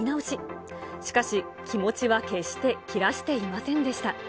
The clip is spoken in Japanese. しかし、気持ちは決して切らしていませんでした。